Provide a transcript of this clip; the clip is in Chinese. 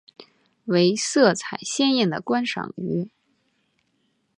为色彩鲜艳的观赏鱼。